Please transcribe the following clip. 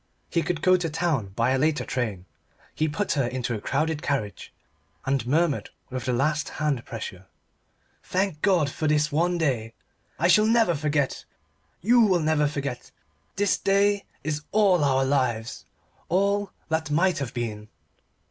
He could go to town by a later train. He put her into a crowded carriage, and murmured with the last hand pressure "Thank God for this one day. I shall never forget. You will never forget. This day is all our lives all that might have been."